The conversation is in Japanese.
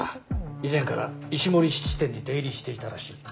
以前から石森質店に出入りしていたらしい。